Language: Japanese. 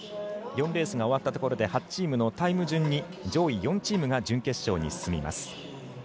４レースが終わったところでタイム順に上位４チームが準決勝に進みます。